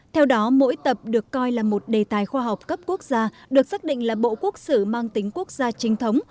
theo đó mỗi tập được coi là một đề tài khoa học cấp quốc gia được xác định là bộ quốc sử mang tính quốc gia trinh thống